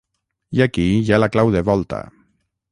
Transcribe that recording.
I aquí hi ha la clau de volta.